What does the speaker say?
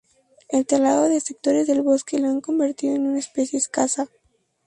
El talado de sectores del bosque la han convertido en una especie escasa.